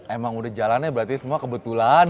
emang udah jalannya berarti semua kebetulan